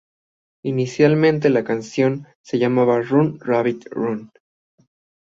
Inicialmente la canción se llamaba "Run, Rabbit, Run".